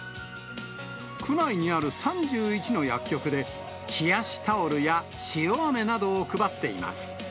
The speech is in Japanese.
区内にある３１の薬局で、冷やしタオルや塩あめなどを配っています。